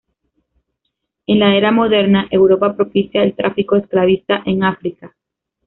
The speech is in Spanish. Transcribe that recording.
En la Era Moderna, Europa propicia el tráfico esclavista en África.